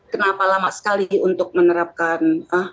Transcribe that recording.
kenapa lama sekali untuk menerapkan